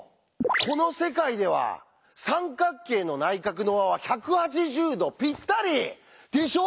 この世界では三角形の内角の和は１８０°ぴったり！でしょ？